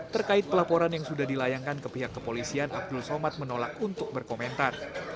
terkait pelaporan yang sudah dilayangkan ke pihak kepolisian abdul somad menolak untuk berkomentar